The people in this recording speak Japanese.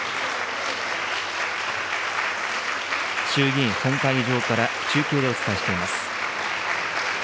衆議院本会議場から中継でお伝えしています。